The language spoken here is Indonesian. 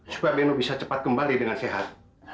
supaya minum bisa cepat kembali dengan sehat